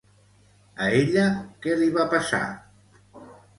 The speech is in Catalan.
A ella què li va passar?